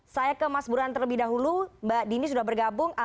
saya ke mas burhan terlebih dahulu mbak dini sudah bergabung